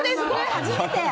初めて！